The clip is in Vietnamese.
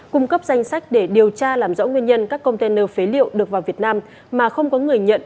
cung cấp danh sách để điều tra làm rõ nguyên nhân các container phế liệu được vào việt nam mà không có người nhận